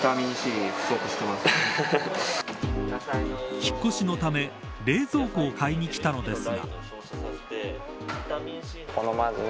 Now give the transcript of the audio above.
引っ越しのため冷蔵庫を買いに来たのですが。